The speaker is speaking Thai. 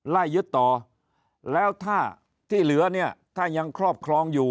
ล่ายยุดต่อแล้วท่าที่เหลือถ้ายังครอบครองอยู่